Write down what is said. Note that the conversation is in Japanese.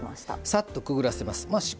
さっとくぐらせます。